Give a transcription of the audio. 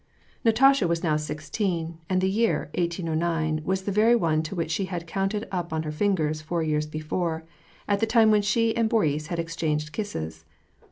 Natasha was now sixteen, and the year 1809 was the very one to which she had counted up on her fingers four years be fore, at the time when she and Boris had exchanged kisses.